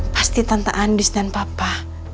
pasti tante andis dan papa